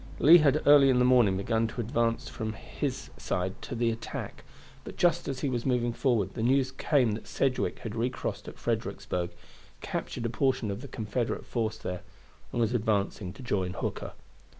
Lee had early in the morning begun to advance from his side to the attack, but just as he was moving forward the news came that Sedgwick had recrossed at Fredericksburg, captured a portion of the Confederate force there, and was advancing to join Hooker.